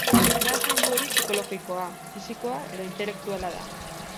Nahasmendu hori psikologikoa, fisikoa edo intelektuala da.